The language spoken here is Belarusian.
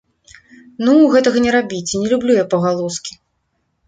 Ну, гэтага не рабіце, не люблю я пагалоскі.